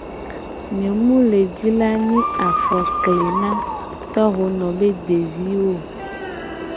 Nye mu le ji la nyi afokle na tohono be deviwo o.